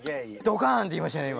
ドカンっていいましたね